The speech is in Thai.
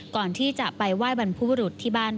ก่อนที่จะไปไหว้บรรพบุรุษที่บ้าน